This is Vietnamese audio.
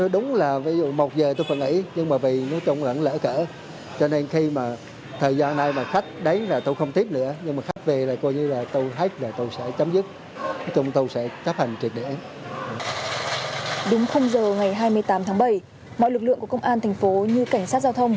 đúng giờ ngày hai mươi tám tháng bảy mọi lực lượng của công an thành phố như cảnh sát giao thông